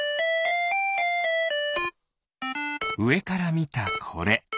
うえからみたこれ。